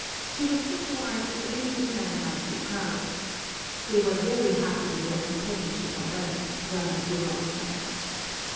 she was such a wife as any good man might be proud of. They were very happy in their companionship on earth, were my dear old friends.